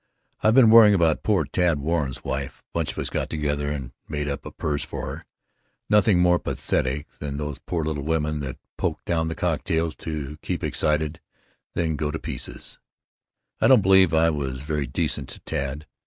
I've been worrying about poor Tad Warren's wife, bunch of us got together and made up a purse for her. Nothing more pathetic than these poor little women that poke down the cocktails to keep excited and then go to pieces. I don't believe I was very decent to Tad.